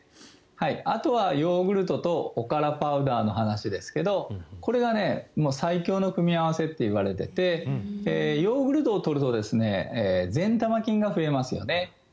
あとはヨーグルトとおからパウダーの話ですけどこれが最強の組み合わせといわれていてヨーグルトを取ると善玉菌が増えますよね